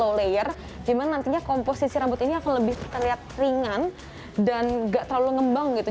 law layer gimana nantinya komposisi rambut ini akan lebih terlihat ringan dan gak terlalu ngembang gitu